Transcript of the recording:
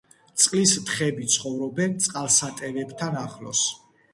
წყლის თხები ცხოვრობენ წყალსატევებთან ახლოს.